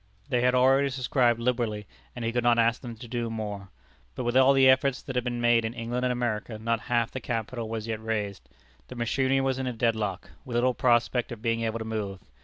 They had already subscribed liberally, and he could not ask them to do more. But with all the efforts that had been made in England and America, not half the capital was yet raised. The machinery was in a dead lock, with little prospect of being able to move.